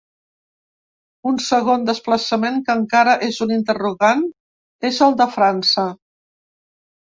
Un segon desplaçament que encara és un interrogant és el de França.